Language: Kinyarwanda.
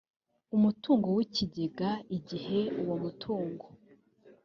umutungo w ikigega igihe uwo mutungo